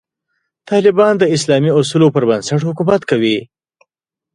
طالبان د اسلامي اصولو پر بنسټ حکومت کوي.